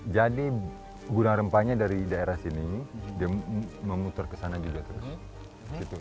jadi gudang rempahnya dari daerah sini dia memutar ke sana juga terus